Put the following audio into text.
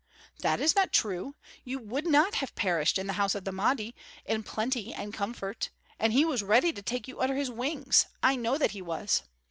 "That is not true! You would not have perished in the house of the Mahdi, in plenty and comfort. And he was ready to take you under his wings. I know that he was.